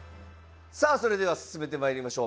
さあそれでは進めてまいりましょう。